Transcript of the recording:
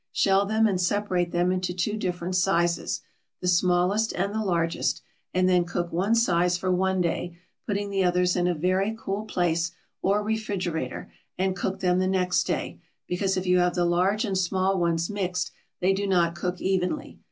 Shell them and separate them into two different sizes, the smallest and the largest, and then cook one size for one day, putting the others in a very cool place, or refrigerator, and cook them the next day, because if you have the large and small ones mixed they do not cook evenly.